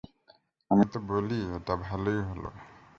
আমি তো বলি এটা ভালোই হলো।